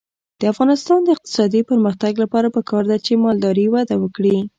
د افغانستان د اقتصادي پرمختګ لپاره پکار ده چې مالداري وده وکړي.